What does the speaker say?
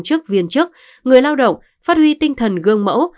chức viên chức người lao động phát huy tinh thần gương mẫu